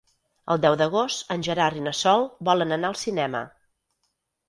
El deu d'agost en Gerard i na Sol volen anar al cinema.